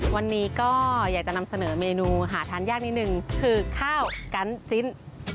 วันนี้ก็อยากจะนำเสนอเมนูหาทานยากนิดนึงคือข้าวกันจิ้น